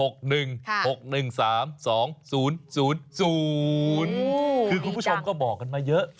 คือคุณผู้ชมก็บอกกันมาเยอะ